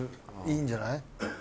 いいんじゃない？